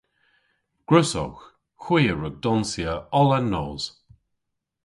Gwrussowgh. Hwi a wrug donsya oll an nos.